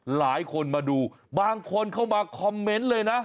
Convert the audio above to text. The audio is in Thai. หลายคนมาดูบางคนเข้ามาคอมเมนต์เลยนะ